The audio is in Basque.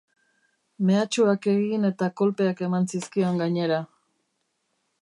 Mehatxuak egin eta kolpeak eman zizkion, gainera.